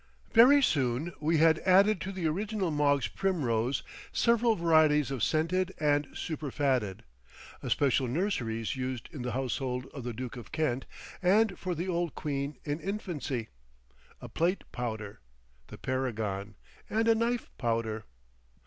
Very soon we had added to the original Moggs' Primrose several varieties of scented and superfatted, a "special nurseries used in the household of the Duke of Kent and for the old Queen in Infancy," a plate powder, "the Paragon," and a knife powder.